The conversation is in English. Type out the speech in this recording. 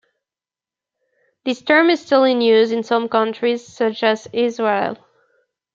This term is still in use in some countries, such as Israel.